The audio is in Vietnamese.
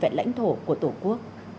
về lãnh thổ của tổ quốc